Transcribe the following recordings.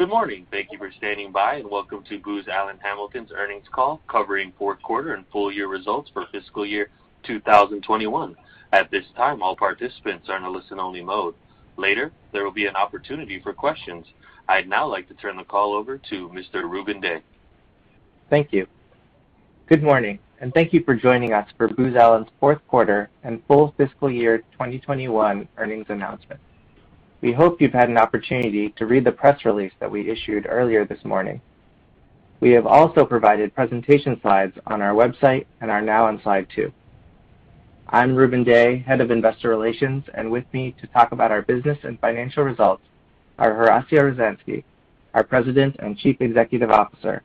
Good morning. Thank you for standing by and welcome to Booz Allen Hamilton's earnings call covering fourth quarter and full year results for fiscal year 2021. At this time, all participants are in a listen only mode. Later, there will be an opportunity for questions. I'd now like to turn the call over to Mr. Rubun Dey. Thank you. Good morning, and thank you for joining us for Booz Allen's fourth quarter and full fiscal year 2021 earnings announcement. We hope you've had an opportunity to read the press release that we issued earlier this morning. We have also provided presentation slides on our website and are now on slide two. I'm Rubun Dey, Head of Investor Relations, and with me to talk about our business and financial results are Horacio Rozanski, our President and Chief Executive Officer,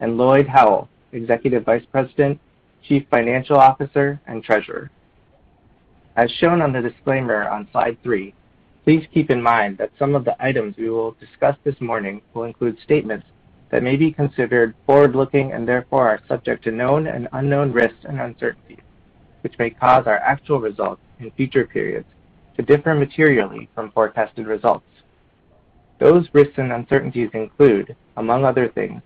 and Lloyd Howell, Executive Vice President, Chief Financial Officer, and Treasurer. As shown on the disclaimer on slide three, please keep in mind that some of the items we will discuss this morning will include statements that may be considered forward-looking and therefore are subject to known and unknown risks and uncertainties, which may cause our actual results in future periods to differ materially from forecasted results. Those risks and uncertainties include, among other things,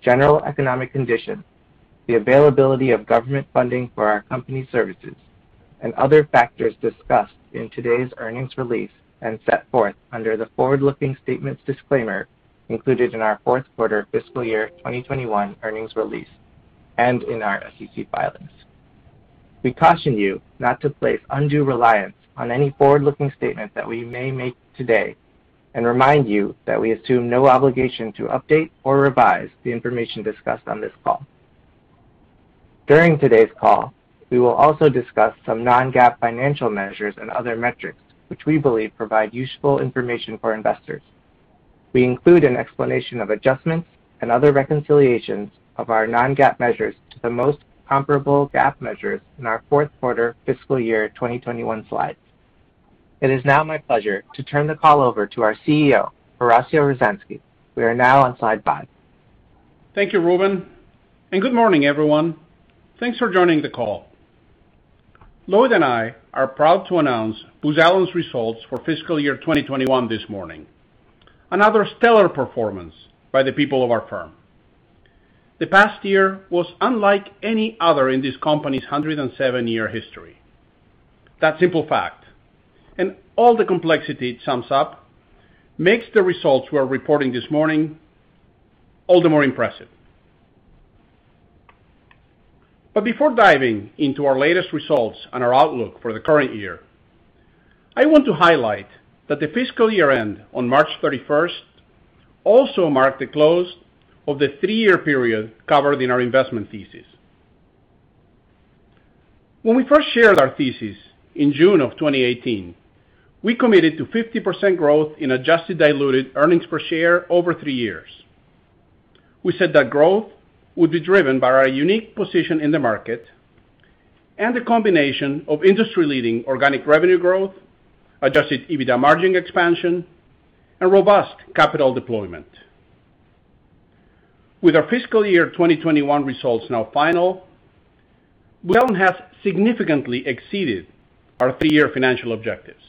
general economic conditions, the availability of government funding for our company services, and other factors discussed in today's earnings release and set forth under the forward-looking statements disclaimer included in our fourth quarter fiscal year 2021 earnings release and in our SEC filings. We caution you not to place undue reliance on any forward-looking statement that we may make today and remind you that we assume no obligation to update or revise the information discussed on this call. During today's call, we will also discuss some non-GAAP financial measures and other metrics, which we believe provide useful information for investors. We include an explanation of adjustments and other reconciliations of our non-GAAP measures to the most comparable GAAP measures in our fourth quarter fiscal year 2021 slides. It is now my pleasure to turn the call over to our CEO, Horacio Rozanski. We are now on slide five. Thank you, Rubun. Good morning, everyone. Thanks for joining the call. Lloyd and I are proud to announce Booz Allen's results for fiscal year 2021 this morning. Another stellar performance by the people of our firm. The past year was unlike any other in this company's 107-year history. That simple fact, all the complexity it sums up, makes the results we're reporting this morning all the more impressive. Before diving into our latest results and our outlook for the current year, I want to highlight that the fiscal year-end on March 31st also marked the close of the three-year period covered in our investment thesis. When we first shared our thesis in June of 2018, we committed to 50% growth in adjusted diluted earnings per share over three years. We said that growth would be driven by our unique position in the market and the combination of industry-leading organic revenue growth, Adjusted EBITDA margin expansion, and robust capital deployment. With our fiscal year 2021 results now final, we don't have significantly exceeded our three-year financial objectives.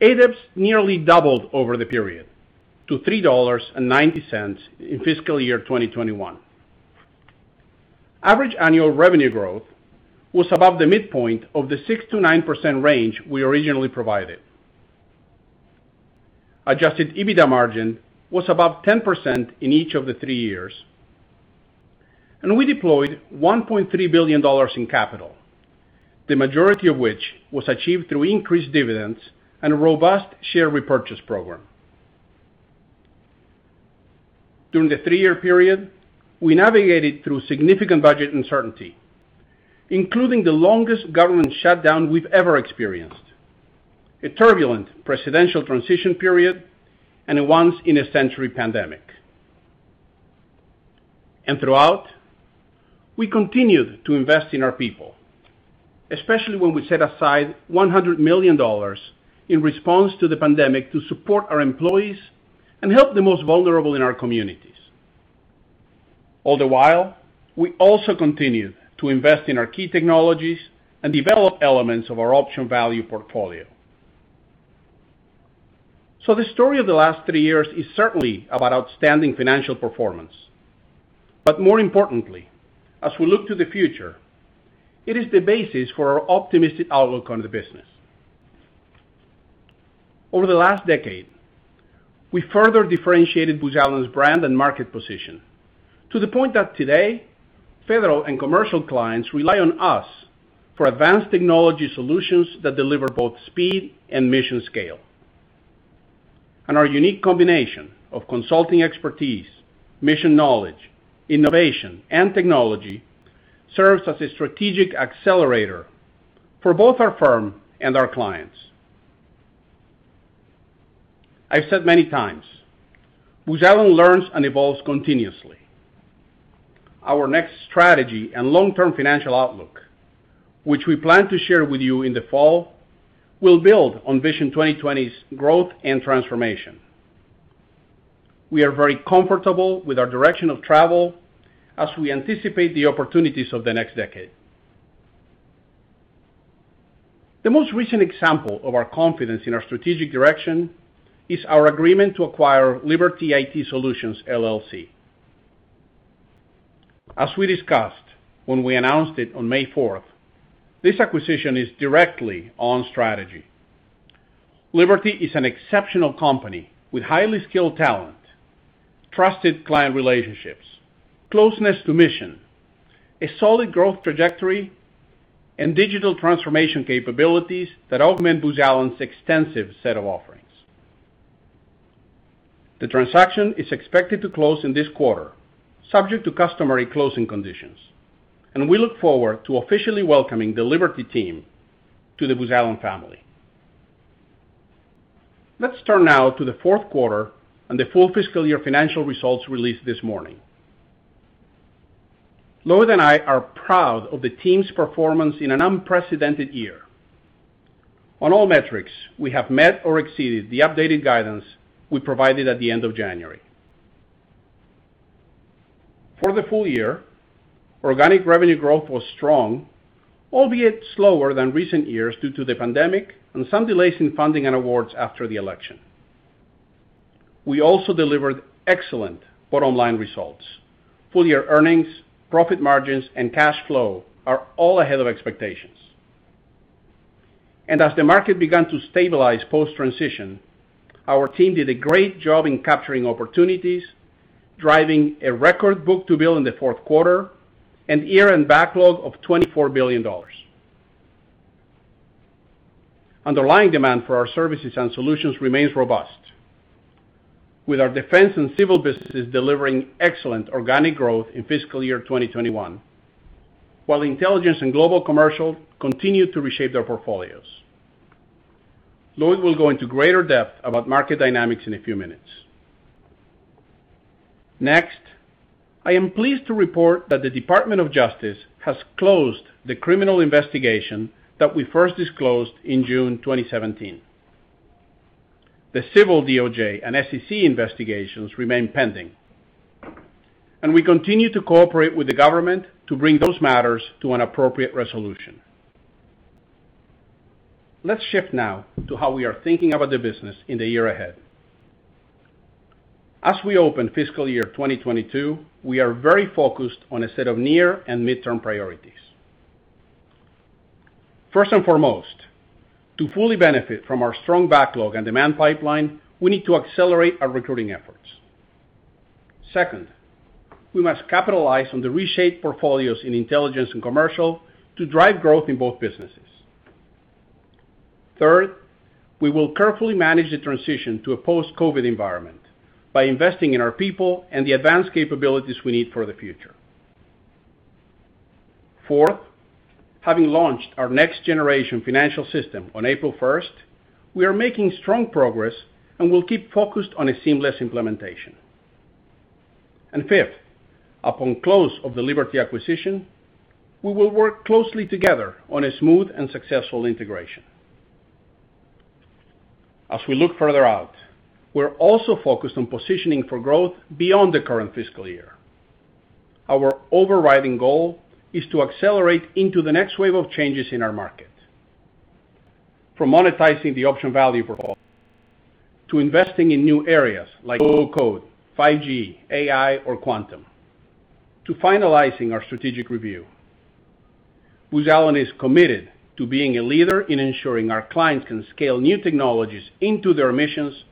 ADEPS nearly doubled over the period to $3.90 in fiscal year 2021. Average annual revenue growth was above the midpoint of the 6%-9% range we originally provided. Adjusted EBITDA margin was above 10% in each of the three years. We deployed $1.3 billion in capital, the majority of which was achieved through increased dividends and a robust share repurchase program. During the three-year period, we navigated through significant budget uncertainty, including the longest government shutdown we've ever experienced, a turbulent presidential transition period, and a once-in-a-century pandemic. Throughout, we continued to invest in our people, especially when we set aside $100 million in response to the pandemic to support our employees and help the most vulnerable in our communities. All the while, we also continued to invest in our key technologies and develop elements of our option value portfolio. The story of the last three years is certainly about outstanding financial performance. More importantly, as we look to the future, it is the basis for our optimistic outlook on the business. Over the last decade, we further differentiated Booz Allen's brand and market position to the point that today, federal and commercial clients rely on us for advanced technology solutions that deliver both speed and mission scale. Our unique combination of consulting expertise, mission knowledge, innovation, and technology serves as a strategic accelerator for both our firm and our clients. I've said many times, Booz Allen learns and evolves continuously. Our next strategy and long-term financial outlook, which we plan to share with you in the fall, will build on Vision 2020's growth and transformation. We are very comfortable with our direction of travel as we anticipate the opportunities of the next decade. The most recent example of our confidence in our strategic direction is our agreement to acquire Liberty IT Solutions LLC. As we discussed when we announced it on May 4th, this acquisition is directly on strategy. Liberty is an exceptional company with highly skilled talent, trusted client relationships, closeness to mission, a solid growth trajectory, and digital transformation capabilities that augment Booz Allen's extensive set of offerings. The transaction is expected to close in this quarter, subject to customary closing conditions, and we look forward to officially welcoming the Liberty team to the Booz Allen family. Let's turn now to the fourth quarter and the full fiscal year financial results released this morning. Lloyd and I are proud of the team's performance in an unprecedented year. On all metrics, we have met or exceeded the updated guidance we provided at the end of January. For the full year, organic revenue growth was strong, albeit slower than recent years due to the pandemic and some delays in funding and awards after the election. We also delivered excellent bottom-line results. Full-year earnings, profit margins, and cash flow are all ahead of expectations. As the market began to stabilize post-transition, our team did a great job in capturing opportunities, driving a record book-to-bill in the fourth quarter, and year-end backlog of $24 billion. Underlying demand for our services and solutions remains robust, with our defense and civil businesses delivering excellent organic growth in fiscal year 2021, while intelligence and global commercial continue to reshape their portfolios. Lloyd will go into greater depth about market dynamics in a few minutes. Next, I am pleased to report that the Department of Justice has closed the criminal investigation that we first disclosed in June 2017. The civil DOJ and SEC investigations remain pending, and we continue to cooperate with the government to bring those matters to an appropriate resolution. Let's shift now to how we are thinking about the business in the year ahead. As we open fiscal year 2022, we are very focused on a set of near and midterm priorities. First and foremost, to fully benefit from our strong backlog and demand pipeline, we need to accelerate our recruiting efforts. Second, we must capitalize on the reshaped portfolios in intelligence and commercial to drive growth in both businesses. Third, we will carefully manage the transition to a post-COVID-19 environment by investing in our people and the advanced capabilities we need for the future. Fourth, having launched our next-generation financial system on April 1st, we are making strong progress and will keep focused on a seamless implementation. Fifth, upon close of the Liberty acquisition, we will work closely together on a smooth and successful integration. As we look further out, we're also focused on positioning for growth beyond the current fiscal year. Our overriding goal is to accelerate into the next wave of changes in our market. From monetizing the optional value proposal, to investing in new areas like low-code, 5G, AI, or quantum, to finalizing our strategic review. Booz Allen is committed to being a leader in ensuring our clients can scale new technologies into their missions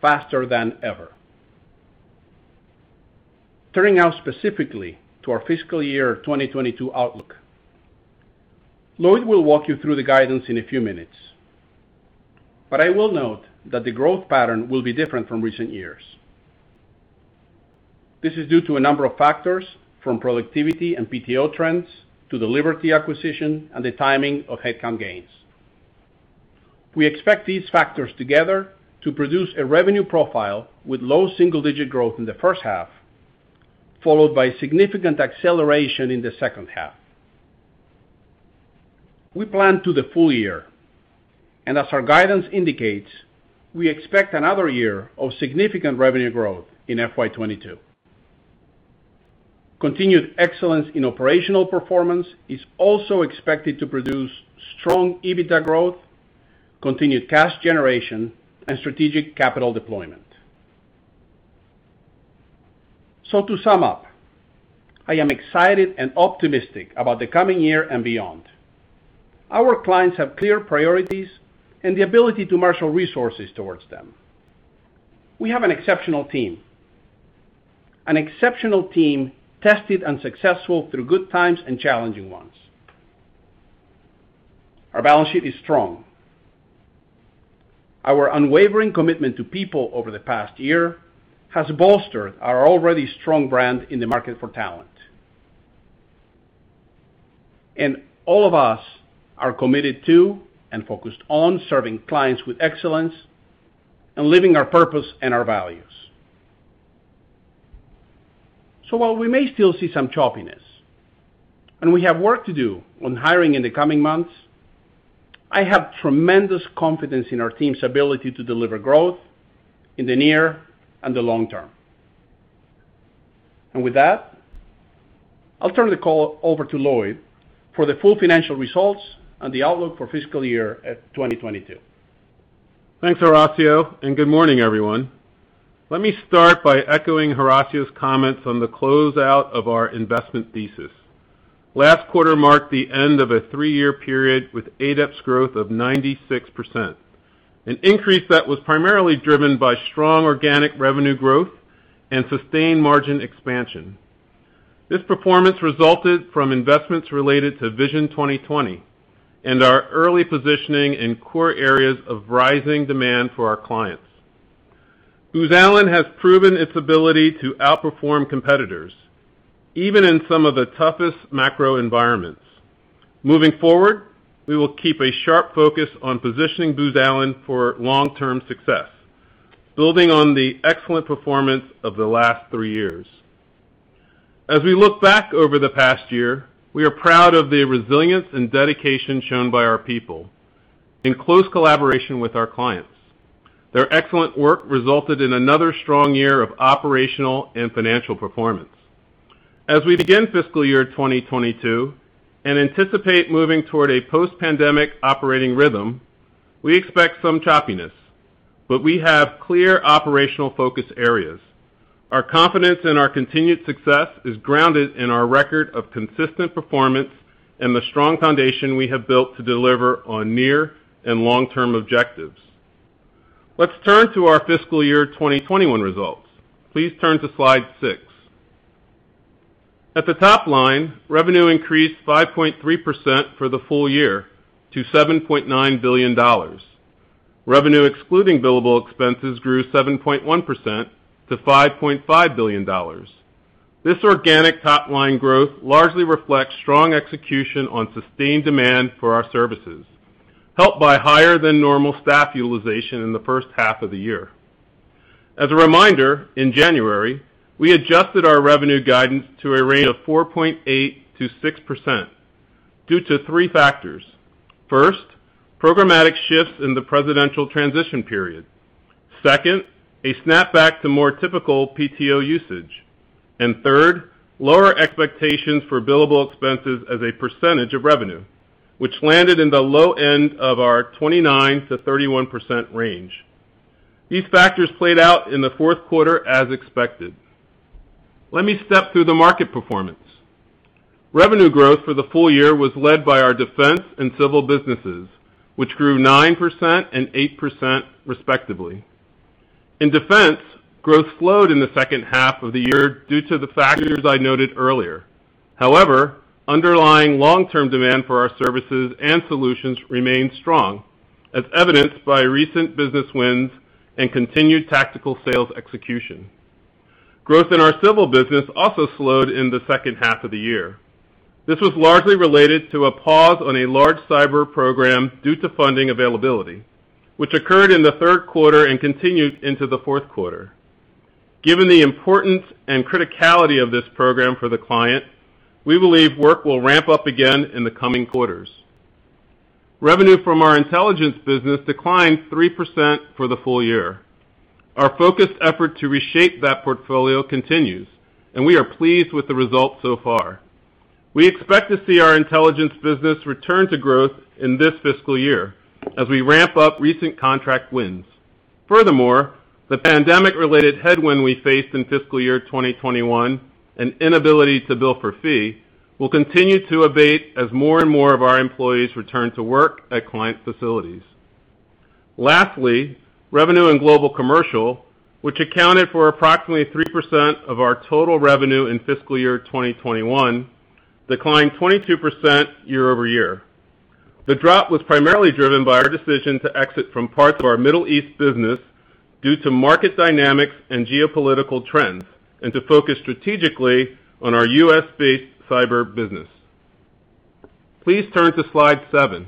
faster than ever. Turning now specifically to our fiscal year 2022 outlook. Lloyd will walk you through the guidance in a few minutes, but I will note that the growth pattern will be different from recent years. This is due to a number of factors, from productivity and PTO trends, to the Liberty acquisition and the timing of headcount gains. We expect these factors together to produce a revenue profile with low single-digit growth in the first half, followed by significant acceleration in the second half. We plan to the full year, and as our guidance indicates, we expect another year of significant revenue growth in FY 2022. Continued excellence in operational performance is also expected to produce strong EBITDA growth, continued cash generation, and strategic capital deployment. To sum up, I am excited and optimistic about the coming year and beyond. Our clients have clear priorities and the ability to marshal resources towards them. We have an exceptional team tested and successful through good times and challenging ones. Our balance sheet is strong. Our unwavering commitment to people over the past year has bolstered our already strong brand in the market for talent. All of us are committed to and focused on serving clients with excellence and living our purpose and our values. While we may still see some choppiness, and we have work to do on hiring in the coming months, I have tremendous confidence in our team's ability to deliver growth in the near and the long term. With that, I'll turn the call over to Lloyd for the full financial results and the outlook for fiscal year 2022. Thanks, Horacio, and good morning, everyone. Let me start by echoing Horacio's comments on the closeout of our investment thesis. Last quarter marked the end of a three-year period with ADEPS growth of 96%, an increase that was primarily driven by strong organic revenue growth and sustained margin expansion. This performance resulted from investments related to Vision 2020 and our early positioning in core areas of rising demand for our clients. Booz Allen has proven its ability to outperform competitors, even in some of the toughest macro environments. Moving forward, we will keep a sharp focus on positioning Booz Allen for long-term success, building on the excellent performance of the last three years. As we look back over the past year, we are proud of the resilience and dedication shown by our people in close collaboration with our clients. Their excellent work resulted in another strong year of operational and financial performance. As we begin fiscal year 2022 and anticipate moving toward a post-pandemic operating rhythm, we expect some choppiness, but we have clear operational focus areas. Our confidence in our continued success is grounded in our record of consistent performance and the strong foundation we have built to deliver on near and long-term objectives. Let's turn to our fiscal year 2021 results. Please turn to slide six. At the top line, revenue increased 5.3% for the full year to $7.9 billion. Revenue excluding billable expenses grew 7.1% to $5.5 billion. This organic top-line growth largely reflects strong execution on sustained demand for our services, helped by higher than normal staff utilization in the first half of the year. As a reminder, in January, we adjusted our revenue guidance to a range of 4.8%-6% due to three factors. First, programmatic shifts in the presidential transition period. Second, a snapback to more typical PTO usage. Third, lower expectations for billable expenses as a percentage of revenue, which landed in the low end of our 29%-31% range. These factors played out in the fourth quarter as expected. Let me step through the market performance. Revenue growth for the full year was led by our defense and civil businesses, which grew 9% and 8%, respectively. In defense, growth slowed in the second half of the year due to the factors I noted earlier. However, underlying long-term demand for our services and solutions remained strong, as evidenced by recent business wins and continued tactical sales execution. Growth in our civil business also slowed in the second half of the year. This was largely related to a pause on a large cyber program due to funding availability, which occurred in the third quarter and continued into the fourth quarter. Given the importance and criticality of this program for the client, we believe work will ramp up again in the coming quarters. Revenue from our intelligence business declined 3% for the full year. Our focused effort to reshape that portfolio continues, and we are pleased with the results so far. We expect to see our intelligence business return to growth in this fiscal year as we ramp up recent contract wins. Furthermore, the pandemic-related headwind we faced in fiscal year 2021 and inability to bill for fee will continue to abate as more and more of our employees return to work at client facilities. Lastly, revenue in Global Commercial, which accounted for approximately 3% of our total revenue in fiscal year 2021, declined 22% year-over-year. The drop was primarily driven by our decision to exit from parts of our Middle East business due to market dynamics and geopolitical trends, and to focus strategically on our U.S.-based cyber business. Please turn to slide seven.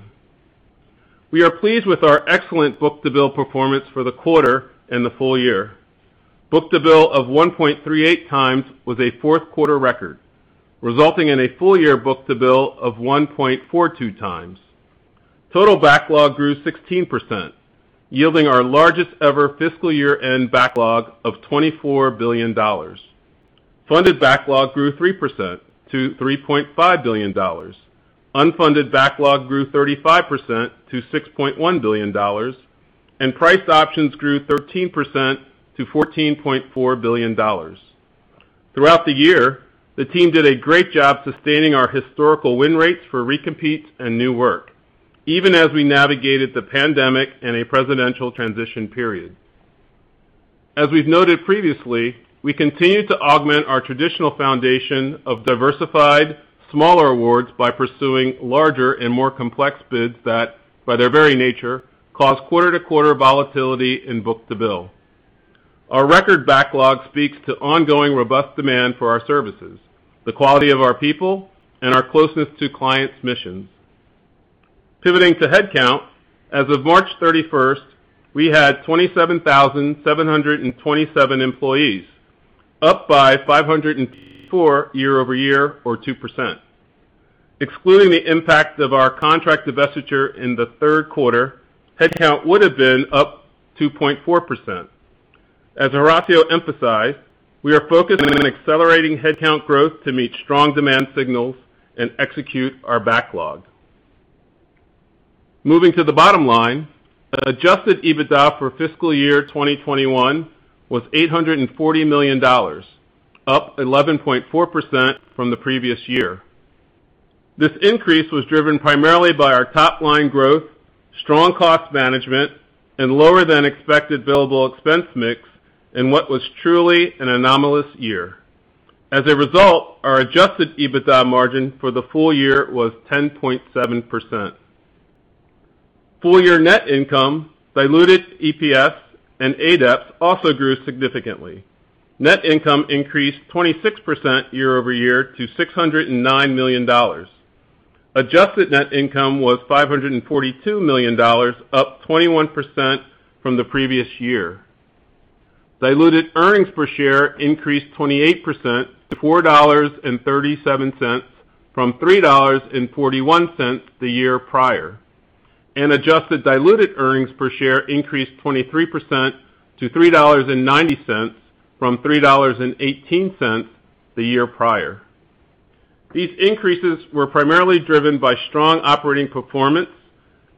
We are pleased with our excellent book-to-bill performance for the quarter and the full year. Book-to-bill of 1.38x was a fourth quarter record, resulting in a full-year book-to-bill of 1.42x. Total backlog grew 16%, yielding our largest ever fiscal year-end backlog of $24 billion. Funded backlog grew 3% to $3.5 billion. Unfunded backlog grew 35% to $6.1 billion, and priced options grew 13% to $14.4 billion. Throughout the year, the team did a great job sustaining our historical win rates for recompetes and new work, even as we navigated the pandemic and a presidential transition period. As we've noted previously, we continue to augment our traditional foundation of diversified smaller awards by pursuing larger and more complex bids that, by their very nature, cause quarter-to-quarter volatility in book-to-bill. Our record backlog speaks to ongoing robust demand for our services, the quality of our people, and our closeness to clients' missions. Pivoting to headcount, as of March 31st, we had 27,727 employees, up by 584 year-over-year or 2%. Excluding the impact of our contract divestiture in the third quarter, headcount would've been up 2.4%. As Horacio emphasized, we are focused on accelerating headcount growth to meet strong demand signals and execute our backlog. Moving to the bottom line, adjusted EBITDA for fiscal year 2021 was $840 million, up 11.4% from the previous year. This increase was driven primarily by our top-line growth, strong cost management, and lower than expected billable expense mix in what was truly an anomalous year. As a result, our adjusted EBITDA margin for the full year was 10.7%. Full year net income, diluted EPS, and ADEPS also grew significantly. Net income increased 26% year-over-year to $609 million. Adjusted net income was $542 million, up 21% from the previous year. Diluted earnings per share increased 28% to $4.37 from $3.41 the year prior. Adjusted diluted earnings per share increased 23% to $3.90 from $3.18 the year prior. These increases were primarily driven by strong operating performance,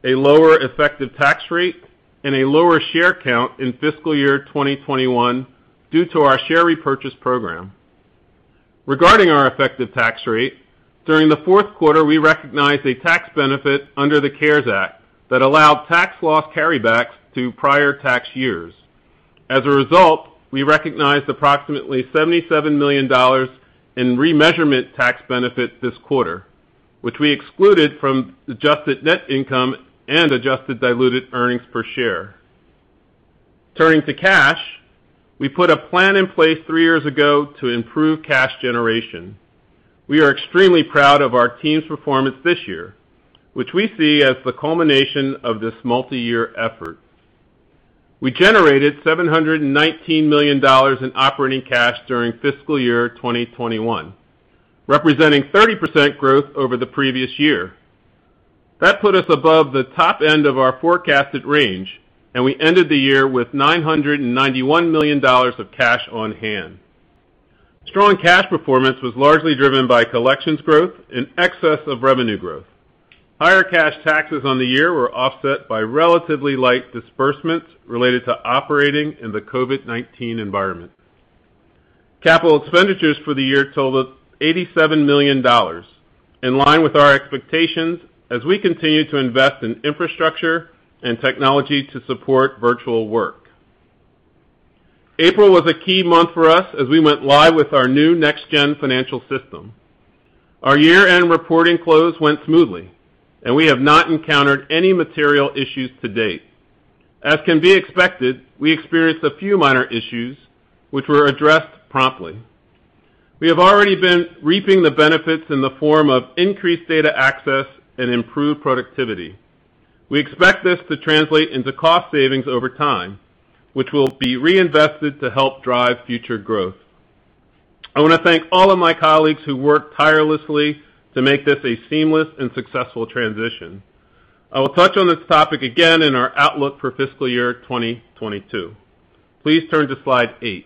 a lower effective tax rate, and a lower share count in fiscal year 2021 due to our share repurchase program. Regarding our effective tax rate, during the fourth quarter, we recognized a tax benefit under the CARES Act that allowed tax loss carrybacks to prior tax years. As a result, we recognized approximately $77 million in remeasurement tax benefit this quarter, which we excluded from adjusted net income and adjusted diluted earnings per share. Turning to cash, we put a plan in place three years ago to improve cash generation. We are extremely proud of our team's performance this year, which we see as the culmination of this multi-year effort. We generated $719 million in operating cash during fiscal year 2021, representing 30% growth over the previous year. That put us above the top end of our forecasted range. We ended the year with $991 million of cash on hand. Strong cash performance was largely driven by collections growth in excess of revenue growth. Higher cash taxes on the year were offset by relatively light disbursements related to operating in the COVID-19 environment. Capital expenditures for the year totaled $87 million, in line with our expectations as we continue to invest in infrastructure and technology to support virtual work. April was a key month for us as we went live with our new next gen financial system. Our year-end reporting close went smoothly, and we have not encountered any material issues to date. As can be expected, we experienced a few minor issues which were addressed promptly. We have already been reaping the benefits in the form of increased data access and improved productivity. We expect this to translate into cost savings over time, which will be reinvested to help drive future growth. I want to thank all of my colleagues who worked tirelessly to make this a seamless and successful transition. I will touch on this topic again in our outlook for fiscal year 2022. Please turn to slide eight.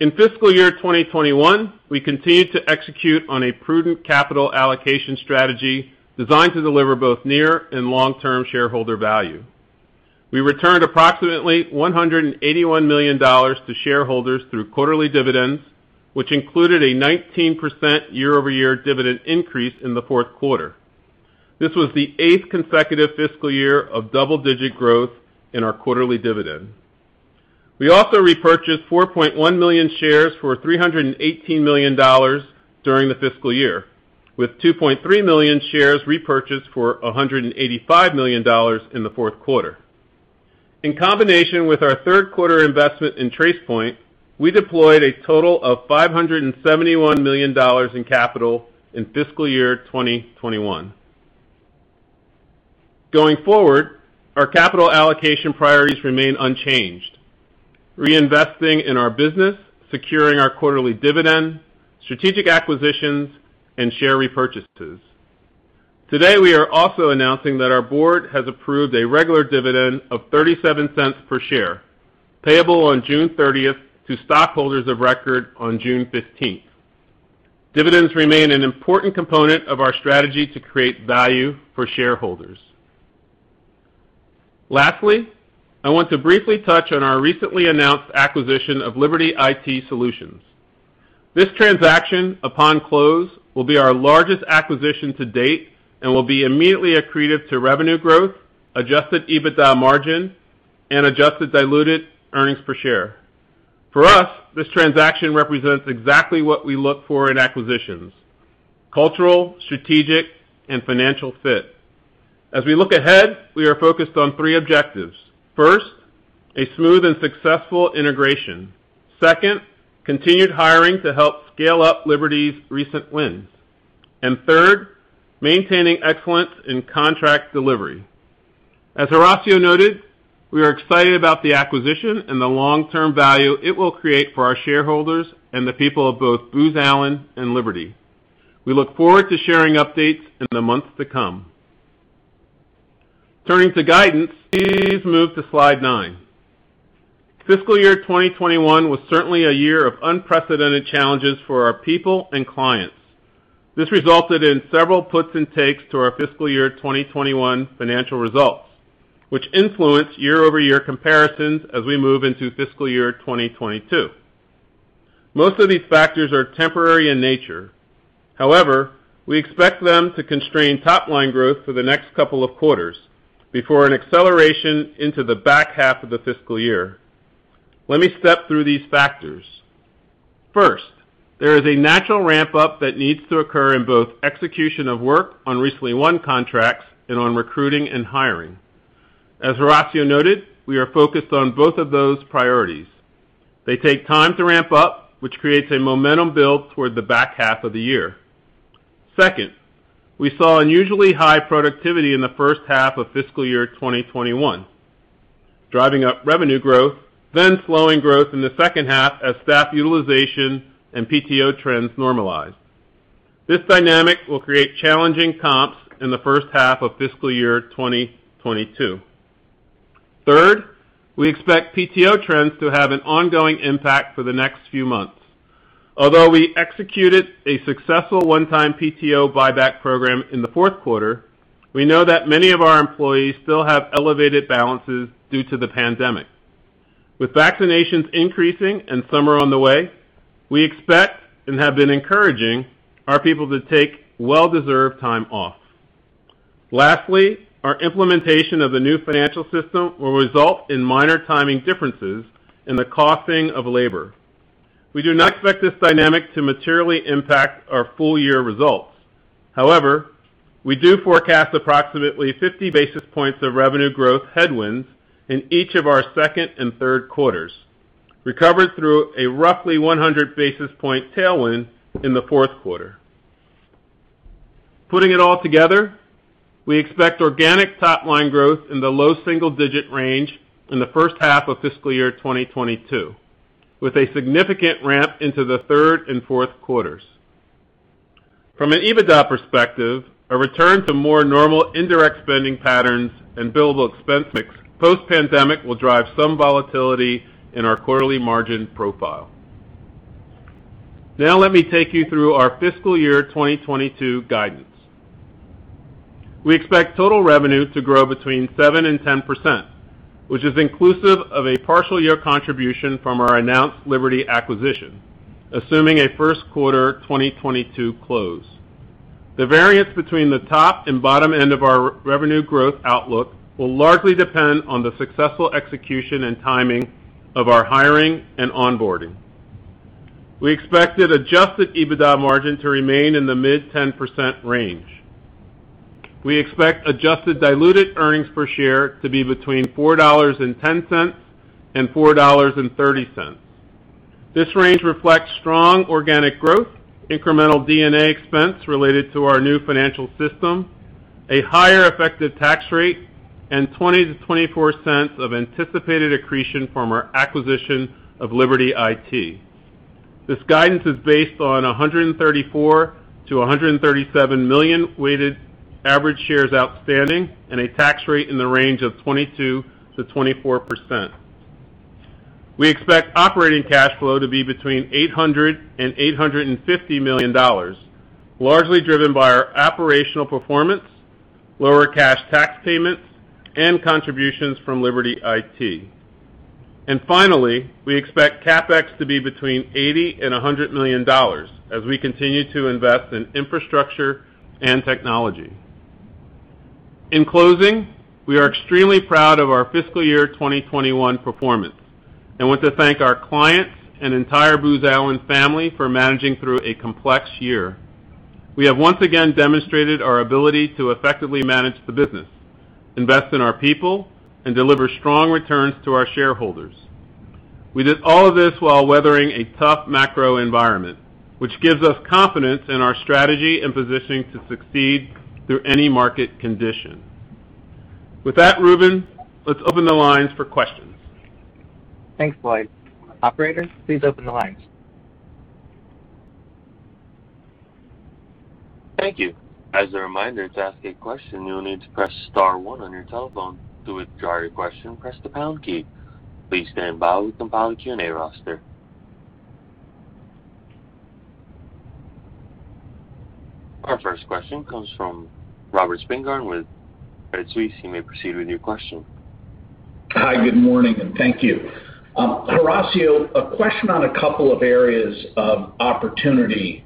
In fiscal year 2021, we continued to execute on a prudent capital allocation strategy designed to deliver both near and long-term shareholder value. We returned approximately $181 million to shareholders through quarterly dividends, which included a 19% year-over-year dividend increase in the fourth quarter. This was the eighth consecutive fiscal year of double-digit growth in our quarterly dividend. We also repurchased 4.1 million shares for $318 million during the fiscal year, with 2.3 million shares repurchased for $185 million in the fourth quarter. In combination with our third quarter investment in Tracepoint, we deployed a total of $571 million in capital in fiscal year 2021. Going forward, our capital allocation priorities remain unchanged: reinvesting in our business, securing our quarterly dividend, strategic acquisitions, and share repurchases. Today, we are also announcing that our board has approved a regular dividend of $0.37 per share, payable on June 30th to stockholders of record on June 15th. Dividends remain an important component of our strategy to create value for shareholders. Lastly, I want to briefly touch on our recently announced acquisition of Liberty IT Solutions. This transaction, upon close, will be our largest acquisition to date and will be immediately accretive to revenue growth, adjusted EBITDA margin, and adjusted diluted earnings per share. For us, this transaction represents exactly what we look for in acquisitions: cultural, strategic, and financial fit. As we look ahead, we are focused on three objectives. First, a smooth and successful integration. Second, continued hiring to help scale up Liberty's recent wins, and third, maintaining excellence in contract delivery. As Horacio noted, we are excited about the acquisition and the long-term value it will create for our shareholders and the people of both Booz Allen and Liberty. We look forward to sharing updates in the months to come. Turning to guidance, please move to slide nine. Fiscal year 2021 was certainly a year of unprecedented challenges for our people and clients. This resulted in several puts and takes to our fiscal year 2021 financial results, which influence year-over-year comparisons as we move into fiscal year 2022. Most of these factors are temporary in nature. However, we expect them to constrain top-line growth for the next couple of quarters before an acceleration into the back half of the fiscal year. Let me step through these factors. First, there is a natural ramp-up that needs to occur in both execution of work on recently won contracts and on recruiting and hiring. As Horacio noted, we are focused on both of those priorities. They take time to ramp up, which creates a momentum build toward the back half of the year. Second, we saw unusually high productivity in the first half of fiscal year 2021, driving up revenue growth, then slowing growth in the second half as staff utilization and PTO trends normalize. This dynamic will create challenging comps in the first half of fiscal year 2022. Third, we expect PTO trends to have an ongoing impact for the next few months. Although we executed a successful one-time PTO buyback program in the fourth quarter, we know that many of our employees still have elevated balances due to the pandemic. With vaccinations increasing and summer on the way, we expect and have been encouraging our people to take well-deserved time off. Lastly, our implementation of the new financial system will result in minor timing differences in the costing of labor. We do not expect this dynamic to materially impact our full-year results. However, we do forecast approximately 50 basis points of revenue growth headwinds in each of our second and third quarters, recovered through a roughly 100 basis point tailwind in the fourth quarter. Putting it all together, we expect organic top-line growth in the low single-digit range in the first half of fiscal year 2022, with a significant ramp into the third and fourth quarters. From an EBITDA perspective, a return to more normal indirect spending patterns and bill book expense mix post-pandemic will drive some volatility in our quarterly margin profile. Now let me take you through our fiscal year 2022 guidance. We expect total revenue to grow between 7% and 10%, which is inclusive of a partial year contribution from our announced Liberty acquisition, assuming a first quarter 2022 close. The variance between the top and bottom end of our revenue growth outlook will largely depend on the successful execution and timing of our hiring and onboarding. We expected Adjusted EBITDA margin to remain in the mid-10% range. We expect adjusted diluted earnings per share to be between $4.10 and $4.30. This range reflects strong organic growth, incremental D&A expense related to our new financial system, a higher effective tax rate, and $0.20 to $0.24 of anticipated accretion from our acquisition of Liberty IT. This guidance is based on 134 million-137 million weighted average shares outstanding and a tax rate in the range of 22%-24%. We expect operating cash flow to be between $800 million-$850 million, largely driven by our operational performance, lower cash tax payments, and contributions from Liberty IT. Finally, we expect CapEx to be between $80 million-$100 million as we continue to invest in infrastructure and technology. In closing, we are extremely proud of our fiscal year 2021 performance and want to thank our clients and entire Booz Allen family for managing through a complex year. We have once again demonstrated our ability to effectively manage the business, invest in our people, and deliver strong returns to our shareholders. We did all this while weathering a tough macro environment, which gives us confidence in our strategy and positioning to succeed through any market condition. With that, Rubun, let's open the lines for questions. Thanks, Blake. Operator, please open the lines. Thank you. As a reminder, to ask a question, you'll need to press star one on your telephone. To withdraw your question, press the pound key. Please stand by while we compile a Q&A roster. Our first question comes from Robert Spingarn with Credit Suisse. You may proceed with your question. Hi, good morning, and thank you. Horacio, a question on a couple of areas of opportunity.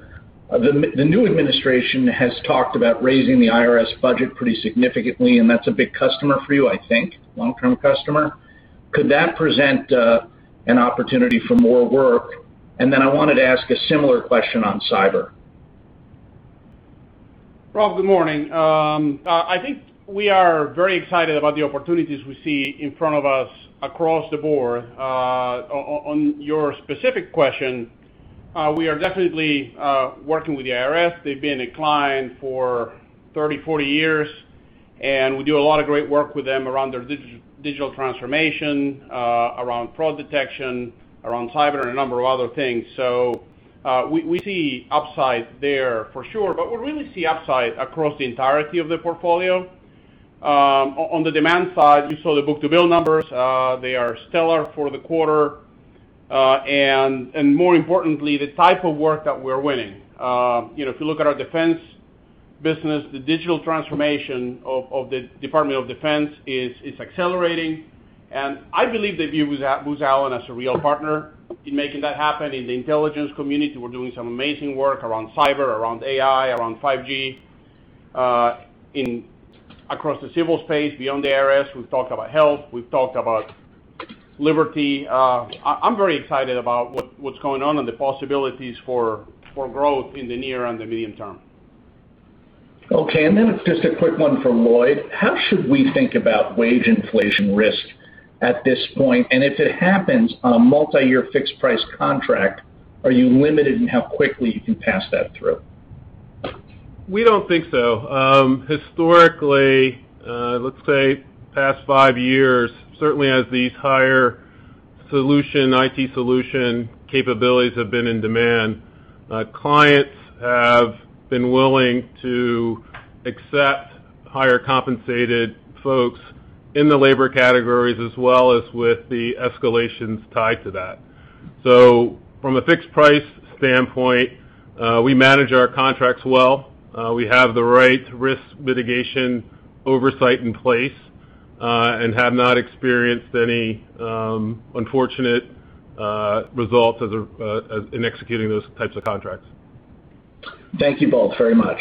The new administration has talked about raising the IRS budget pretty significantly, and that's a big customer for you, I think, long-term customer. Could that present an opportunity for more work? I wanted to ask a similar question on cyber. Rob, good morning. I think we are very excited about the opportunities we see in front of us across the board. On your specific question, we are definitely working with the IRS. They've been a client for 30, 40 years, and we do a lot of great work with them around their digital transformation, around fraud detection, around cyber, and a number of other things. So we see upside there for sure, but we really see upside across the entirety of the portfolio. More importantly, the type of work that we're winning. If you look at our defense business, the digital transformation of the Department of Defense is accelerating, and I believe they view Booz Allen as a real partner in making that happen. In the intelligence community, we're doing some amazing work around cyber, around AI, around 5G. Across the civil space, beyond the IRS, we've talked about health, we've talked about Liberty. I'm very excited about what's going on and the possibilities for growth in the near and the medium term. Just a quick one for Lloyd. How should we think about wage inflation risk at this point? If it happens on a multi-year fixed price contract, are you limited in how quickly you can pass that through? We don't think so. Historically, let's say past five years, certainly as these higher IT solution capabilities have been in demand, clients have been willing to accept higher compensated folks in the labor categories as well as with the escalations tied to that. From a fixed price standpoint, we manage our contracts well. We have the right risk mitigation oversight in place, and have not experienced any unfortunate results in executing those types of contracts. Thank you both very much.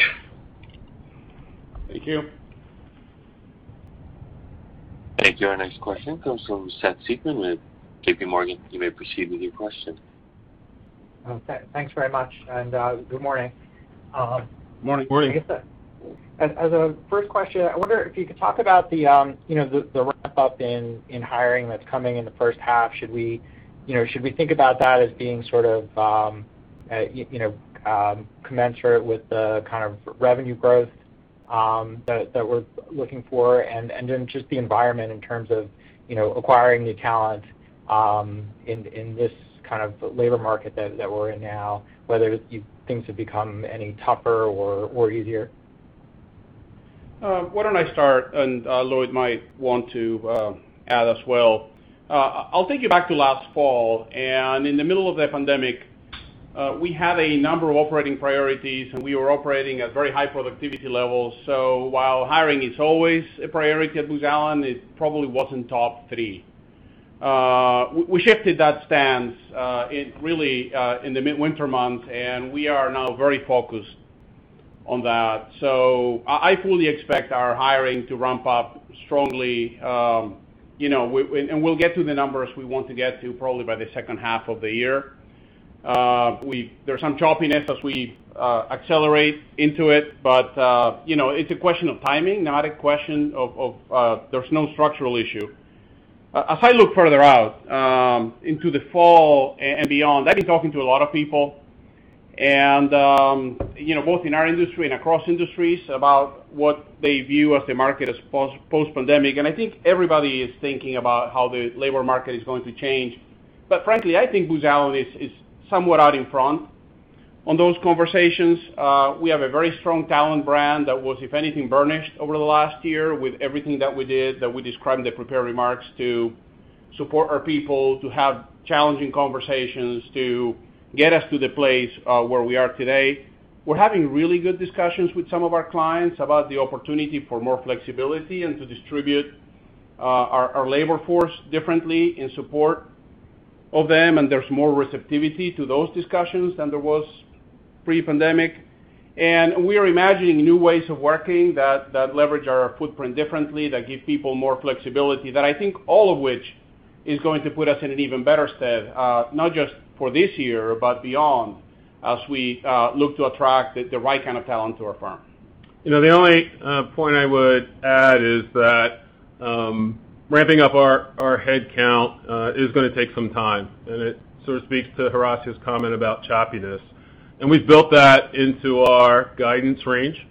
Thank you. Thank you. Our next question comes from Seth Seifman with JPMorgan. You may proceed with your question. Okay, thanks very much, and good morning. Morning. Morning. As a first question, I wonder if you could talk about the ramp-up in hiring that's coming in the first half. Should we think about that as being commensurate with the kind of revenue growth that we're looking for? Just the environment in terms of acquiring new talent in this labor market that we're in now, whether things have become any tougher or easier. Why don't I start, and Lloyd might want to add as well. I'll take you back to last fall, and in the middle of the pandemic, we had a number of operating priorities, and we were operating at very high productivity levels. While hiring is always a priority at Booz Allen, it probably wasn't top three. We shifted that stance really in the midwinter months, and we are now very focused on that. I fully expect our hiring to ramp up strongly, and we'll get to the numbers we want to get to probably by the second half of the year. There's some choppiness as we accelerate into it, but it's a question of timing, not a question of there's no structural issue. As I look further out into the fall and beyond, I've been talking to a lot of people, both in our industry and across industries, about what they view as the market post-pandemic. I think everybody is thinking about how the labor market is going to change. Frankly, I think Booz Allen is somewhat out in front on those conversations. We have a very strong talent brand that was, if anything, burnished over the last year with everything that we did that we described in the prepared remarks to support our people, to have challenging conversations, to get us to the place where we are today. We're having really good discussions with some of our clients about the opportunity for more flexibility and to distribute our labor force differently in support of them, and there's more receptivity to those discussions than there was pre-pandemic. We are imagining new ways of working that leverage our footprint differently, that give people more flexibility, that I think all of which is going to put us in an even better stead, not just for this year, but beyond, as we look to attract the right kind of talent to our firm. The only point I would add is that ramping up our headcount is going to take some time, and it sort of speaks to Horacio's comment about choppiness. We've built that into our guidance range.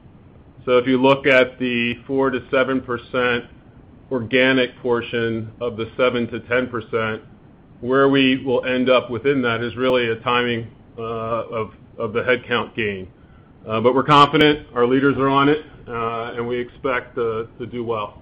If you look at the 4%-7% organic portion of the 7%-10%, where we will end up within that is really a timing of the headcount gain. We're confident, our leaders are on it, and we expect to do well.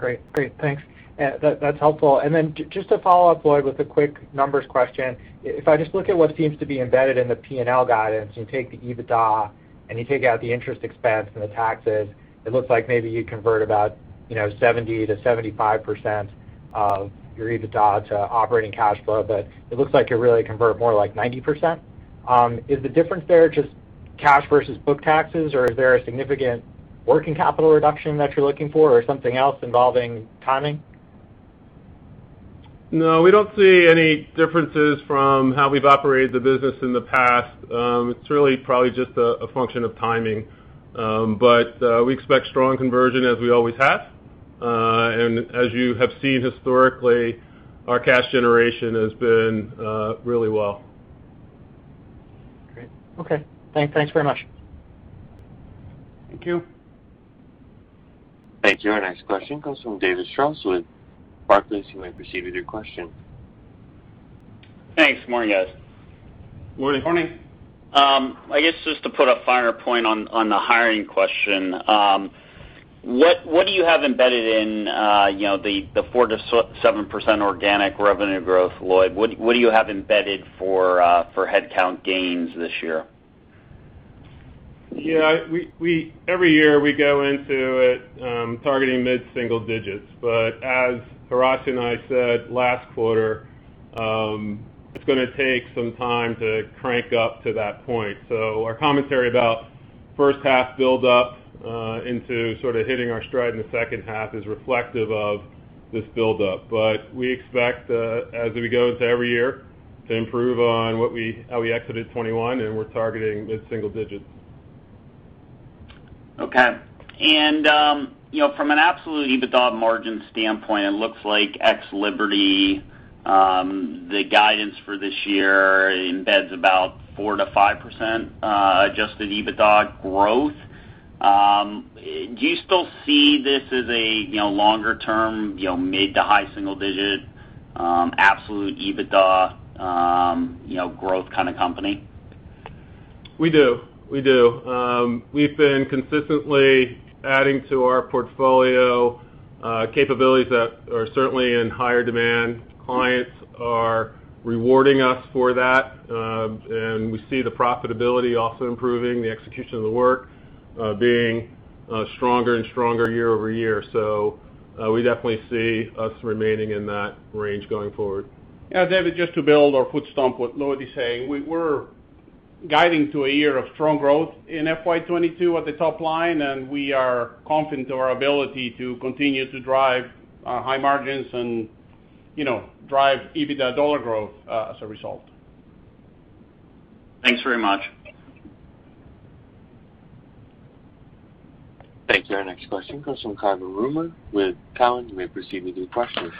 Great. Thanks. That's helpful. Just a follow-up, Lloyd, with a quick numbers question. If I just look at what seems to be embedded in the P&L guidance, you take the EBITDA, you take out the interest expense and the taxes, it looks like maybe you convert about 70%-75% of your EBITDA to operating cash flow. It looks like you really convert more like 90%. Is the difference there just? Cash versus book taxes, or is there a significant working capital reduction that you're looking for or something else involving timing? No, we don't see any differences from how we've operated the business in the past. It's really probably just a function of timing. We expect strong conversion as we always have. As you have seen historically, our cash generation has been really well. Great. Okay. Thanks very much. Thank you. Thank you. Our next question comes from David Strauss with Barclays. You may proceed with your question. Thanks. Morning, guys. Morning. Morning. I guess just to put a finer point on the hiring question. What do you have embedded in the 4%-7% organic revenue growth, Lloyd? What do you have embedded for headcount gains this year? Every year we go into it targeting mid-single digits. As Horacio and I said last quarter, it's going to take some time to crank up to that point. Our commentary about first-half buildup into sort of hitting our stride in the second half is reflective of this buildup. We expect, as we go into every year, to improve on how we exited 2021, and we're targeting mid-single digits. Okay. From an absolute EBITDA margin standpoint, it looks like ex Liberty, the guidance for this year embeds about 4%-5% adjusted EBITDA growth. Do you still see this as a longer-term, mid to high single-digit absolute EBITDA growth kind of company? We do. We've been consistently adding to our portfolio capabilities that are certainly in higher demand. Clients are rewarding us for that. We see the profitability also improving, the execution of the work being stronger and stronger year-over-year. We definitely see us remaining in that range going forward. Yeah, David, just to build or put stomp what Lloyd is saying. We're guiding to a year of strong growth in FY 2022 at the top line, and we are confident in our ability to continue to drive high margins and drive EBITDA dollar growth as a result. Thanks very much. Thank you. Our next question comes from Cai von Rumohr with Cowen. You may proceed with your question.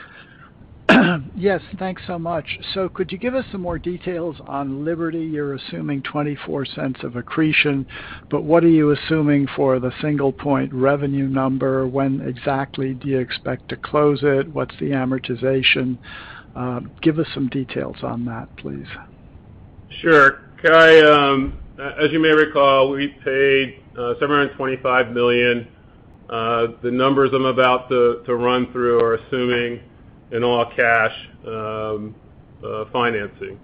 Yes, thanks so much. Could you give us some more details on Liberty? You're assuming $0.24 of accretion, what are you assuming for the single-point revenue number? When exactly do you expect to close it? What's the amortization? Give us some details on that, please. Sure. Cai, as you may recall, we paid $725 million. The numbers I'm about to run through are assuming an all-cash financing.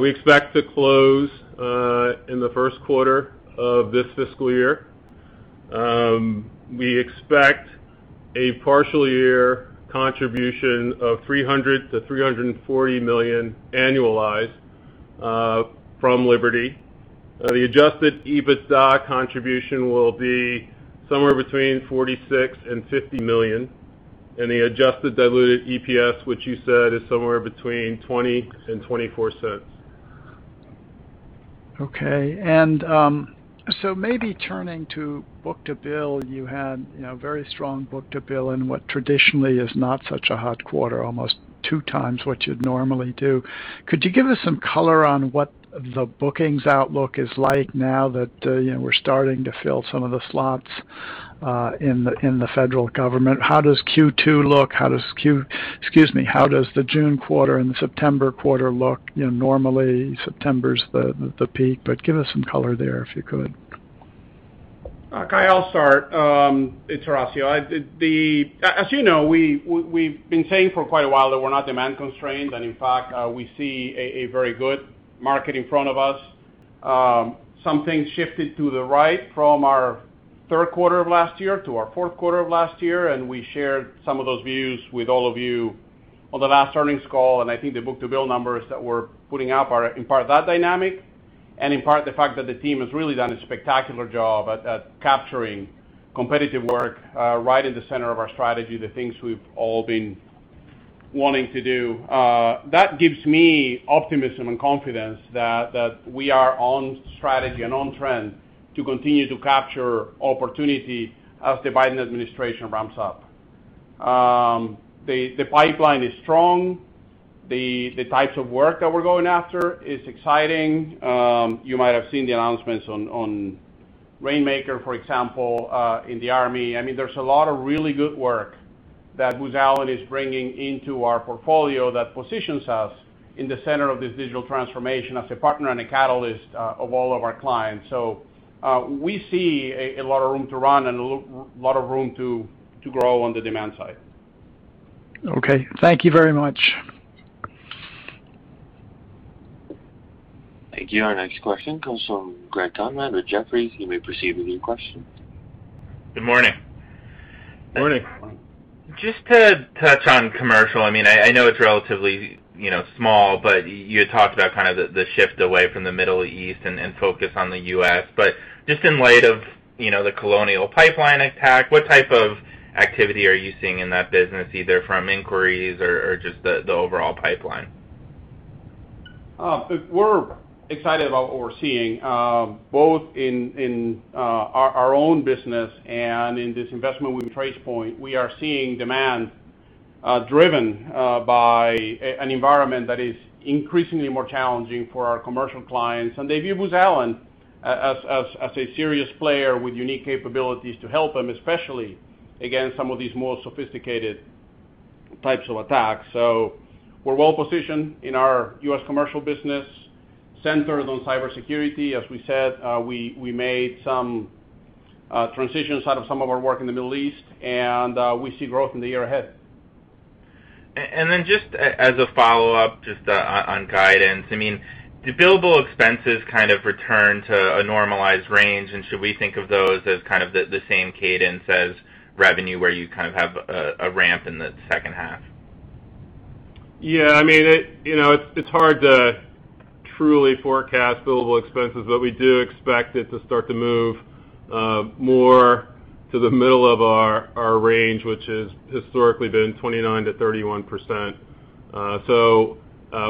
We expect to close in the first quarter of this fiscal year. We expect a partial year contribution of $300 million-$340 million annualized from Liberty. The adjusted EBITDA contribution will be somewhere between $46 million-$50 million, and the adjusted diluted EPS, which you said, is somewhere between $0.20-$0.24. Okay. Maybe turning to book-to-bill, you had very strong book-to-bill in what traditionally is not such a hot quarter, almost 2x what you'd normally do. Could you give us some color on what the bookings outlook is like now that we're starting to fill some of the slots in the federal government? How does Q2 look? How does the June quarter and the September quarter look? Normally September's the peak, but give us some color there if you could. Cai, I'll start. It's Horacio. As you know, we've been saying for quite a while that we're not demand constrained, and in fact, we see a very good market in front of us. Some things shifted to the right from our third quarter of last year to our fourth quarter of last year, and we shared some of those views with all of you on the last earnings call, and I think the book-to-bill numbers that we're putting out are in part that dynamic and in part the fact that the team has really done a spectacular job at capturing competitive work right at the center of our strategy, the things we've all been wanting to do. That gives me optimism and confidence that we are on strategy and on trend to continue to capture opportunity as the Biden administration ramps up. The pipeline is strong. The types of work that we're going after is exciting. You might have seen the announcements on Rainmaker, for example, in the Army. There's a lot of really good work that Booz Allen is bringing into our portfolio that positions us in the center of this digital transformation as a partner and a catalyst of all of our clients. We see a lot of room to run and a lot of room to grow on the demand side. Okay. Thank you very much. Thank you. Our next question comes from Greg Turner with Jefferies. You may proceed with your question. Good morning. Just to touch on commercial, I know it's relatively small, but you had talked about the shift away from the Middle East and focus on the U.S. Just in light of the Colonial Pipeline attack, what type of activity are you seeing in that business, either from inquiries or just the overall pipeline? We're excited about what we're seeing, both in our own business and in this investment with Tracepoint. We are seeing demand driven by an environment that is increasingly more challenging for our commercial clients. They view Booz Allen as a serious player with unique capabilities to help them, especially against some of these more sophisticated types of attacks. We're well-positioned in our U.S. commercial business, centered on cybersecurity. As we said, we made some transitions out of some of our work in the Middle East, and we see growth in the year ahead. Just as a follow-up, just on guidance, do billable expenses return to a normalized range? Should we think of those as the same cadence as revenue where you have a ramp in the second half? Yeah. It's hard to truly forecast billable expenses, but we do expect it to start to move more to the middle of our range, which has historically been 29%-31%.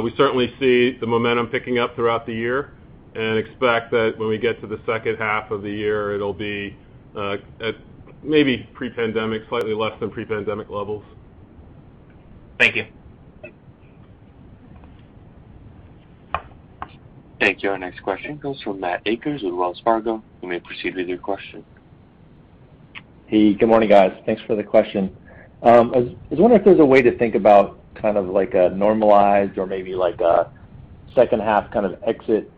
We certainly see the momentum picking up throughout the year and expect that when we get to the second half of the year, it'll be at maybe pre-pandemic, slightly less than pre-pandemic levels. Thank you. Thank you. Our next question comes from Matt Akers with Wells Fargo. You may proceed with your question. Hey, good morning, guys. Thanks for the question. I was wondering if there's a way to think about a normalized or maybe a second half exit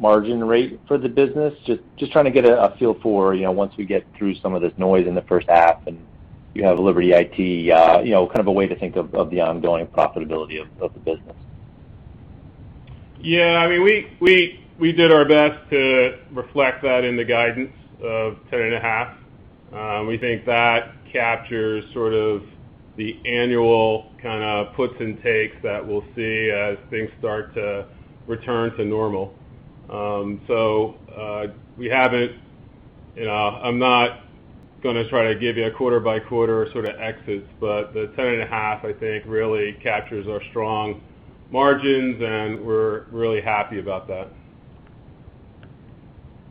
margin rate for the business. Just trying to get a feel for once we get through some of this noise in the first half and you have Liberty IT, a way to think of the ongoing profitability of the business. Yeah. We did our best to reflect that in the guidance of 10.5%. We think that captures the annual puts and takes that we'll see as things start to return to normal. I'm not going to try to give you a quarter by quarter exits, but the 10.5%, I think, really captures our strong margins, and we're really happy about that.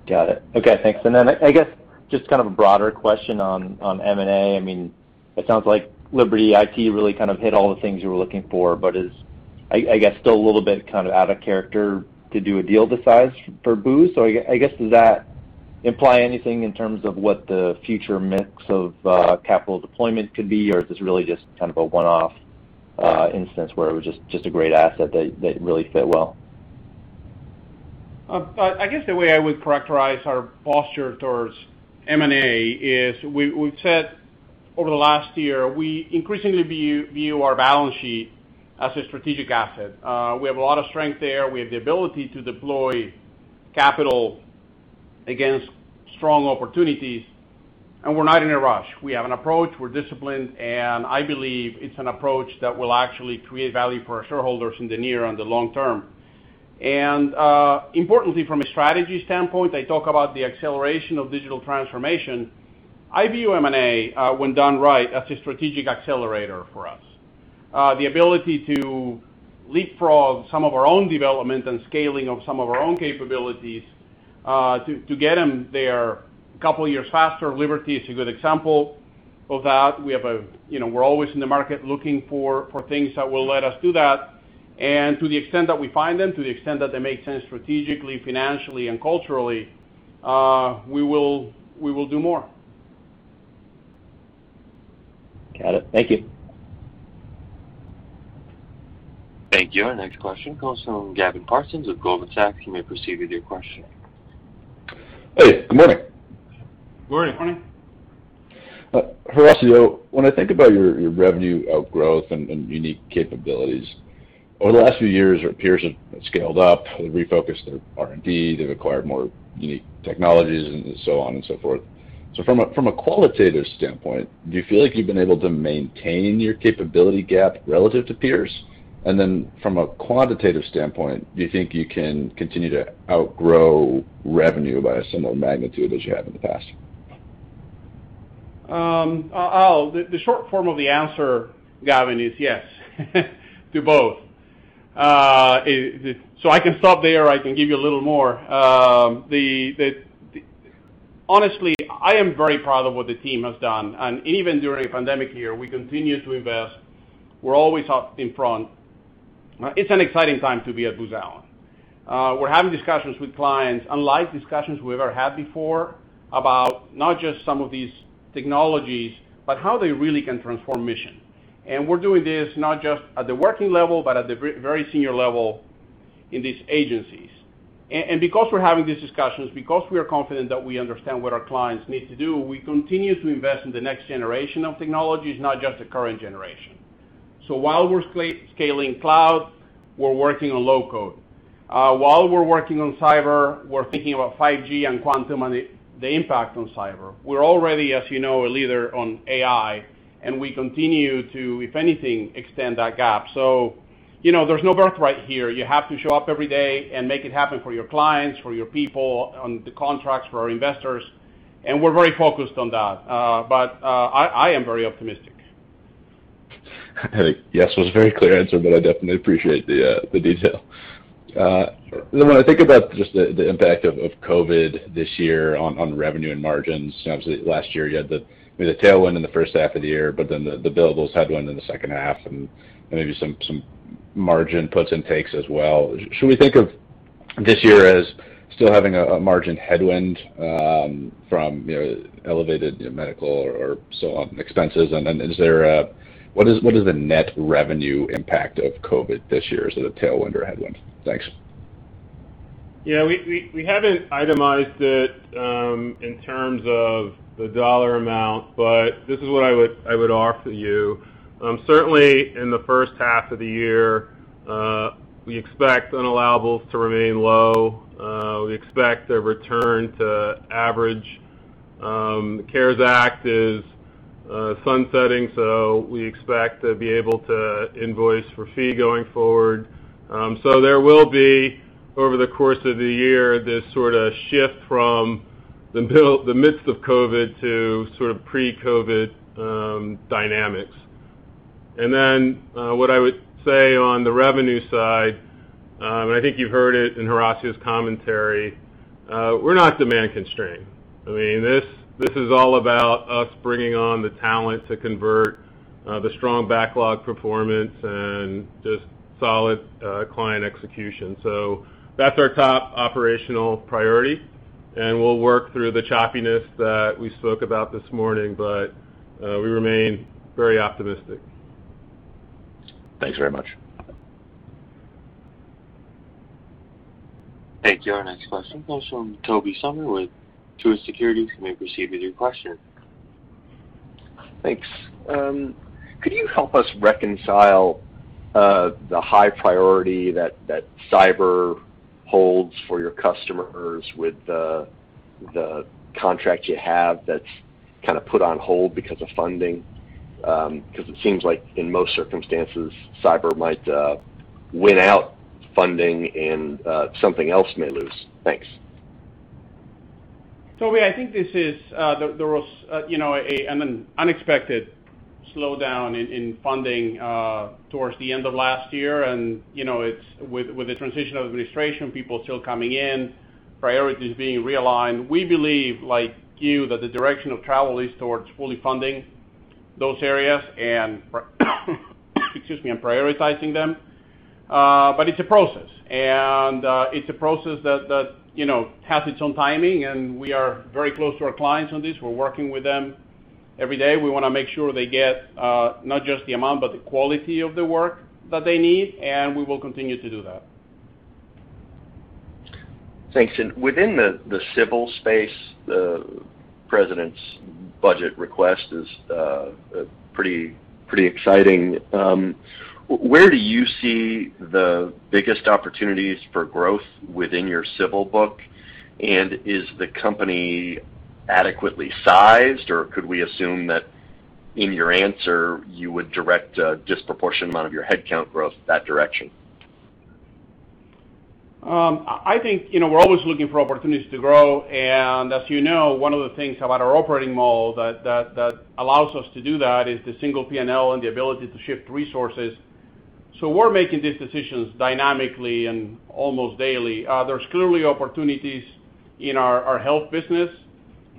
Got it. Okay, thanks. I guess just a broader question on M&A. It sounds like Liberty IT really hit all the things you were looking for, but is, I guess, still a little bit out of character to do a deal this size for Booz. I guess, does that imply anything in terms of what the future mix of capital deployment could be, or is this really just a one-off instance where it was just a great asset that really fit well? I guess the way I would characterize our posture towards M&A is we've said over the last year, we increasingly view our balance sheet as a strategic asset. We have a lot of strength there. We have the ability to deploy capital against strong opportunities, and we're not in a rush. We have an approach, we're disciplined, and I believe it's an approach that will actually create value for our shareholders in the near and the long term. Importantly, from a strategy standpoint, I talk about the acceleration of digital transformation. I view M&A, when done right, as a strategic accelerator for us. The ability to leapfrog some of our own development and scaling of some of our own capabilities, to get them there a couple of years faster. Liberty is a good example of that. We're always in the market looking for things that will let us do that. To the extent that we find them, to the extent that they make sense strategically, financially, and culturally, we will do more. Got it. Thank you. Thank you. Our next question comes from Gavin Parsons of Goldman Sachs. You may proceed with your question. Hey, good morning. Good morning. Horacio, when I think about your revenue outgrowth and unique capabilities, over the last few years, our peers have scaled up, they refocused their R&D, they've acquired more unique technologies, and so on and so forth. From a qualitative standpoint, do you feel like you've been able to maintain your capability gap relative to peers? From a quantitative standpoint, do you think you can continue to outgrow revenue by a similar magnitude as you have in the past? The short form of the answer, Gavin, is yes to both. I can stop there. I can give you a little more. Honestly, I am very proud of what the team has done. Even during a pandemic year, we continue to invest. We're always out in front. It's an exciting time to be at Booz Allen. We're having discussions with clients, unlike discussions we've ever had before, about not just some of these technologies, but how they really can transform mission. We're doing this not just at the working level, but at the very senior level in these agencies. Because we're having these discussions, because we are confident that we understand what our clients need to do, we continue to invest in the next generation of technologies, not just the current generation. So while we're scaling cloud, we're working on low-code. While we're working on cyber, we're thinking about 5G and quantum and the impact on cyber. We're already, as you know, a leader on AI, and we continue to, if anything, extend that gap. There's no birthright here. You have to show up every day and make it happen for your clients, for your people, on the contracts, for our investors, and we're very focused on that. I am very optimistic. Yes, it was a very clear answer, but I definitely appreciate the detail. When I think about just the impact of COVID this year on revenue and margins, obviously last year you had the tailwind in the first half of the year, but then the billables headwind in the second half and maybe some margin puts and takes as well. Should we think of this year as still having a margin headwind from elevated medical or so on expenses? What is the net revenue impact of COVID this year as a tailwind or headwind? Thanks. Yeah. We haven't itemized it in terms of the dollar amount, but this is what I would offer you. Certainly in the first half of the year, we expect unallowables to remain low. We expect a return to average. The CARES Act is sunsetting, we expect to be able to invoice for fee going forward. There will be, over the course of the year, this sort of shift from the midst of COVID to pre-COVID dynamics. What I would say on the revenue side, and I think you've heard it in Horacio's commentary, we're not demand constrained. This is all about us bringing on the talent to convert the strong backlog performance and just solid client execution. That's our top operational priority, and we'll work through the choppiness that we spoke about this morning, but we remain very optimistic. Thanks very much. Thank you. Our next question comes from Tobey Sommer with Truist Securities. You may proceed with your question. Thanks. Could you help us reconcile the high priority that cyber holds for your customers with the contract you have that's kind of put on hold because of funding? It seems like in most circumstances, cyber might win out funding and something else may lose. Thanks. Tobey, I think there was an unexpected slowdown in funding towards the end of last year. With the transition of administration, people are still coming in, priorities being realigned. We believe, like you, that the direction of travel is towards fully funding those areas and, excuse me, and prioritizing them. It's a process, and it's a process that has its own timing, and we are very close to our clients on this. We're working with them every day. We want to make sure they get not just the amount, but the quality of the work that they need, and we will continue to do that. Thanks. Within the civil space, the President's budget request is pretty exciting. Where do you see the biggest opportunities for growth within your civil book? Is the company adequately sized, or could we assume that in your answer you would direct a disproportionate amount of your headcount growth that direction? I think we're always looking for opportunities to grow. As you know, one of the things about our operating model that allows us to do that is the single P&L and the ability to shift resources. We're making these decisions dynamically and almost daily. There's clearly opportunities in our health business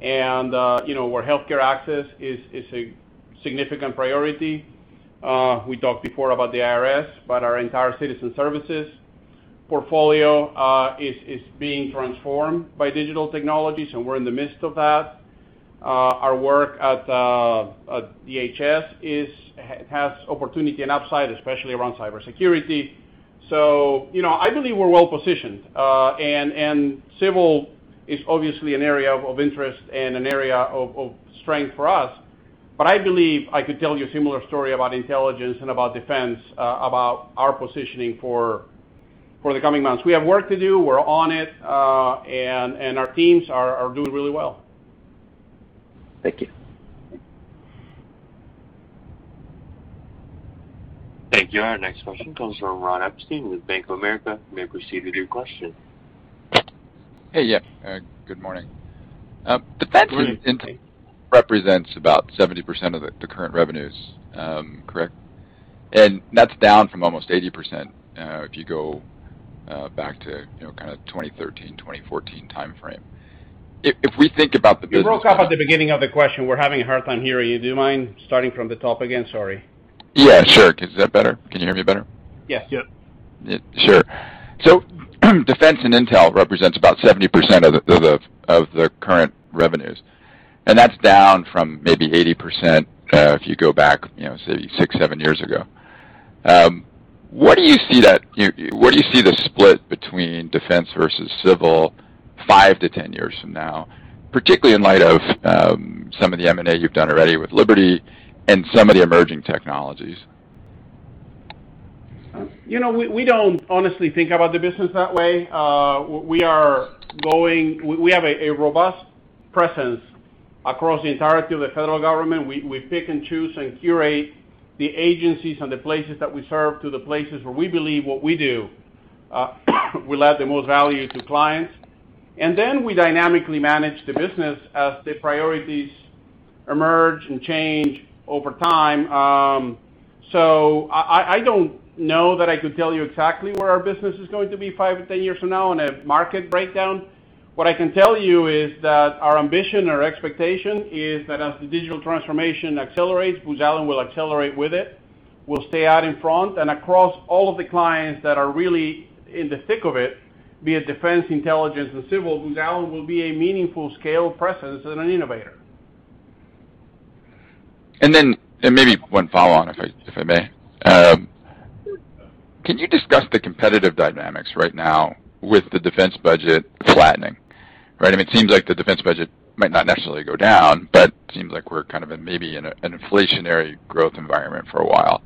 and where healthcare access is a significant priority. We talked before about the IRS, our entire citizen services portfolio is being transformed by digital technologies, and we're in the midst of that. Our work at DHS has opportunity and upside, especially around cybersecurity. I believe we're well-positioned. Civil is obviously an area of interest and an area of strength for us. I believe I could tell you a similar story about intelligence and about defense, about our positioning for the coming months. We have work to do. We're on it. Our teams are doing really well. Thank you. Thank you. Our next question comes from Ron Epstein with Bank of America. You may proceed with your question. Hey. Yeah. Good morning. Defense and intel represents about 70% of the current revenues, correct? That's down from almost 80% if you go back to kind of 2013, 2014 timeframe. You broke off at the beginning of the question. We're having a hard time hearing you. Do you mind starting from the top again? Sorry. Yeah, sure. Is that better? Can you hear me better? Yes. Yep. Sure. Defense and intel represents about 70% of the current revenues, and that's down from maybe 80% if you go back six, seven years ago. Where do you see the split between defense versus civil 5-10 years from now, particularly in light of some of the M&A you've done already with Liberty and some of the emerging technologies? We don't honestly think about the business that way. We have a robust presence across the entirety of the federal government. We pick and choose and curate the agencies and the places that we serve to the places where we believe what we do, will add the most value to clients. We dynamically manage the business as the priorities emerge and change over time. I don't know that I could tell you exactly where our business is going to be 5-10 years from now in a market breakdown. What I can tell you is that our ambition, our expectation is that as the digital transformation accelerates, Booz Allen will accelerate with it. We'll stay out in front and across all of the clients that are really in the thick of it, be it defense, intelligence, or civil, Booz Allen will be a meaningful scale presence and an innovator. Maybe one follow on, if I may. Can you discuss the competitive dynamics right now with the defense budget flattening? Right, it seems like the defense budget might not necessarily go down, it seems like we're maybe in an inflationary growth environment for a while.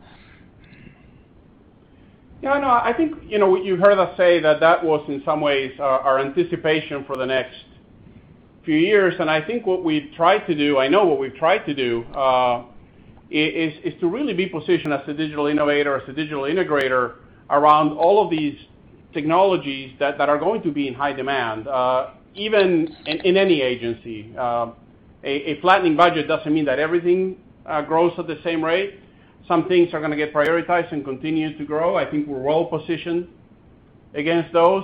Yeah, no, I think, you heard us say that was in some ways our anticipation for the next few years. I think what we've tried to do, I know what we've tried to do, is to really be positioned as a digital innovator, as a digital integrator around all of these technologies that are going to be in high demand, even in any agency. A flattening budget doesn't mean that everything grows at the same rate. Some things are going to get prioritized and continue to grow. I think we're well-positioned against those.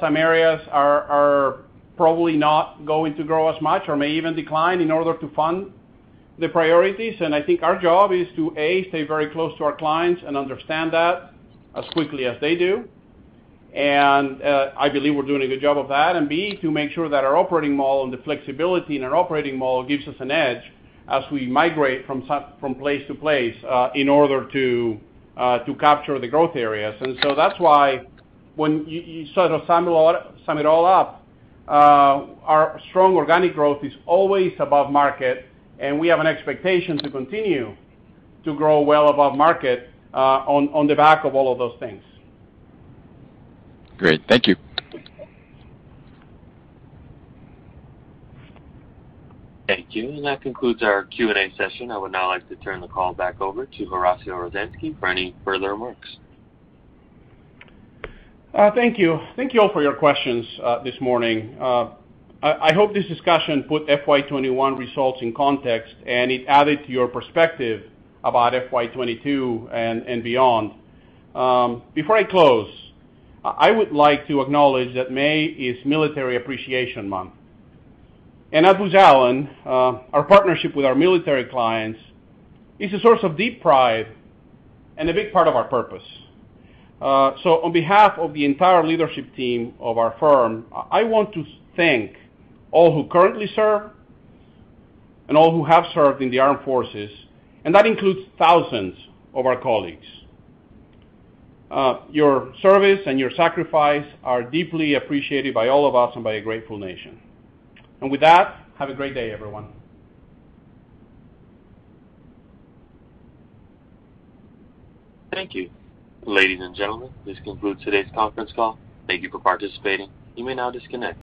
Some areas are probably not going to grow as much or may even decline in order to fund the priorities. I think our job is to, A, stay very close to our clients and understand that as quickly as they do. I believe we're doing a good job of that. B, to make sure that our operating model and the flexibility in our operating model gives us an edge as we migrate from place to place in order to capture the growth areas. That's why when you sort of sum it all up, our strong organic growth is always above market, and we have an expectation to continue to grow well above market on the back of all of those things. Great. Thank you. Thank you. That concludes our Q&A session. I would now like to turn the call back over to Horacio Rozanski for any further remarks. Thank you. Thank you all for your questions this morning. I hope this discussion put FY 2021 results in context, and it added to your perspective about FY 2022 and beyond. Before I close, I would like to acknowledge that May is Military Appreciation Month. At Booz Allen, our partnership with our military clients is a source of deep pride and a big part of our purpose. On behalf of the entire leadership team of our firm, I want to thank all who currently serve and all who have served in the armed forces, and that includes thousands of our colleagues. Your service and your sacrifice are deeply appreciated by all of us and by a grateful nation. With that, have a great day, everyone. Thank you. Ladies and gentlemen, this concludes today's conference call. Thank you for participating. You may now disconnect.